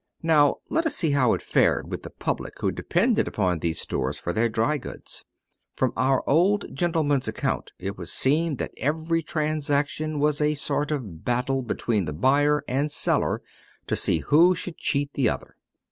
Now let us see how it fared with the public who depended upon these stores for their dry goods. From our old gentleman's account it would seem that every transaction was a sort of battle between the buyer and seller to see which should cheat the other.